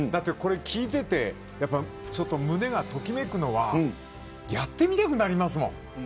聞いてて胸がときめくのはやってみたくなりますもん。